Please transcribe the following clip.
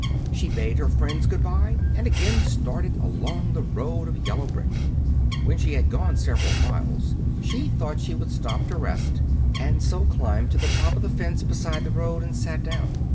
She bade her friends good bye, and again started along the road of yellow brick. When she had gone several miles she thought she would stop to rest, and so climbed to the top of the fence beside the road and sat down.